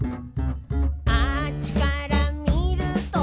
「あっちからみると」